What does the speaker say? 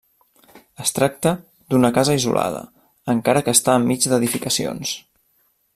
Es tracta d'una casa isolada, encara que està enmig d'edificacions.